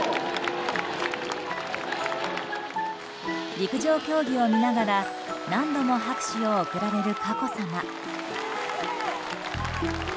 陸上競技を見ながら何度も拍手を送られる佳子さま。